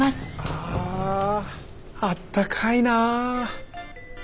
ああったかいな。